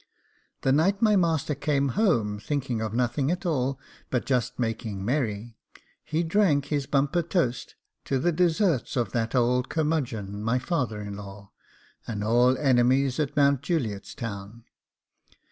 The night my master came home, thinking of nothing at all but just making merry, he drank his bumper toast 'to the deserts of that old curmudgeon my father in law, and all enemies at Mount Juliet's Town.